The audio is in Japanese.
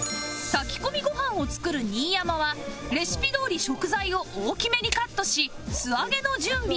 炊き込みご飯を作る新山はレシピどおり食材を大きめにカットし素揚げの準備